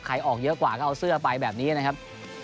ออกเยอะกว่าก็เอาเสื้อไปแบบนี้นะครับ